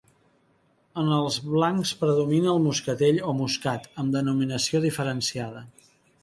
En els blancs predomina el moscatell, o moscat, amb denominació diferenciada.